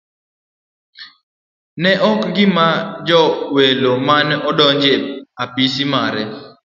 Ne ok gin joma welo mane odonjo e apisi mare.